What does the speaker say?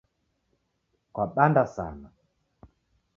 Kwabanda sana